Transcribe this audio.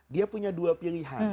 dia punya dua pilihan